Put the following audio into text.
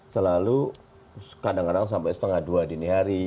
selalu kadang kadang sampai setengah dua dini hari